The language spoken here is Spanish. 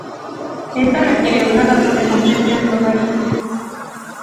Esto requiere una razón de compresión logarítmica.